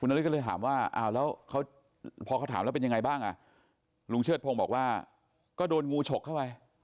คุณนฤทธิ์ก็เลยถามว่าพอเขาถามแล้วเป็นยังไงบ้างลุงเชิดพงศ์บอกว่าก็โดนงูฉกเข้าไป